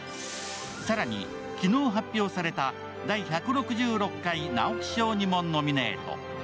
更に昨日発表された第１６６回直木賞にもノミネート。